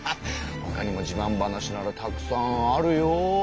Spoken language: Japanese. ほかにもじまん話ならたくさんあるよ。